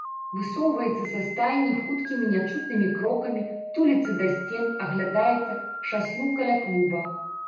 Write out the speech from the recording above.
Высоўваецца са стайні хуткімі нячутнымі крокамі, туліцца да сцен, аглядаецца, шаснуў каля клуба.